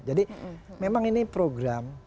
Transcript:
jadi memang ini program